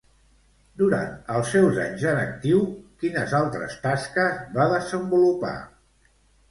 Durant els seus anys en actiu, quines altres tasques va desenvolupar?